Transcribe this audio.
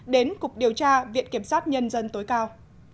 đến cục điều tra viện kiểm sát nhân dân tối cao